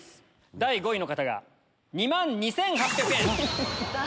第５位の方が２万２８００円。